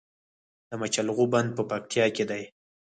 د مچالغو بند په پکتیا کې دی